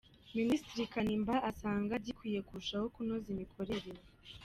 Minisitiri Kanimba asanga gikwiye kurushaho kunoza imikorere